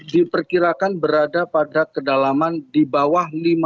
diperkirakan berada pada kedalaman di bawah lima